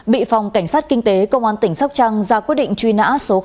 bị phòng cảnh sát kinh tế công an tỉnh sóc trăng ra quyết định truy nã số hai